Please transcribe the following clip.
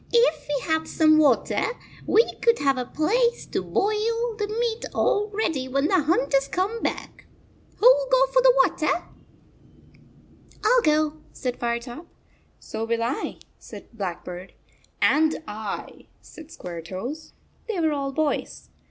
" If we had some water, we could have a place to boil the meat all ready when the hunters come back. Who 11 go for water?" "Til go," said Firetop. "So will I," said Blackbird. "And I," said Squaretoes. They were all boys.